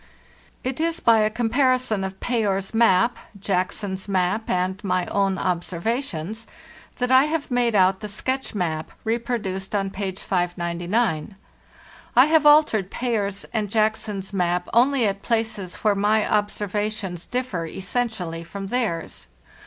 548 FARTHEST NORTH It is by a comparison of Payer's map, Jackson's map, and my own observations that I have made out the sketch map reproduced on page 599. I have altered Payer's and Jackson's map only at places where my ob servations differ essentially from theirs.